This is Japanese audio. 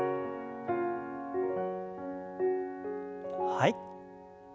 はい。